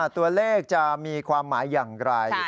ตัวเลขจะมีความหมายอย่างไร